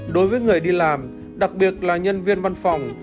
đối với người đi làm đặc biệt là nhân viên văn phòng